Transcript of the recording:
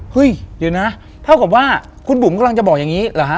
เฮ้ยเดี๋ยวนะเท่ากับว่าคุณบุ๋มกำลังจะบอกอย่างนี้เหรอฮะ